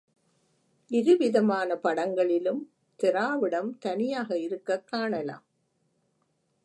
இரு விதமான படங்களிலும், திராவிடம் தனியாக இருக்கக் காணலாம்.